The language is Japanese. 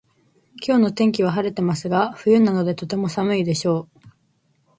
今日の天気は晴れてますが冬なのでとても寒いでしょう